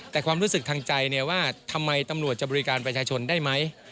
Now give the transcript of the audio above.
แต่ความรู้สึกทางใจว่าทำไมตำรวจจะบริการประชาชนได้ไหม